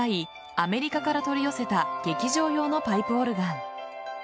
アメリカから取り寄せた劇場用のパイプオルガン。